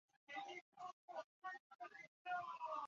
该党是左翼阵线的成员。